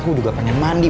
aku juga pengen mandi